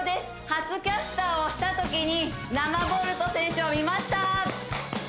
初キャスターをしたときに生ボルト選手を見ました！